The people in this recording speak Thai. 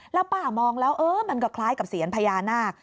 แล้วป้ามองแล้วเออมันก็คล้ายกับเสียญพญานาค